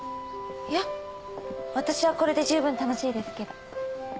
いや私はこれで十分楽しいですけど。